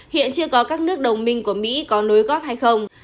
hiện chưa có các nước đồng minh của mỹ có nối gót hay không